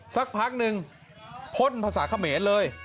สักพักนึงพ่นภาษาเขมรเลย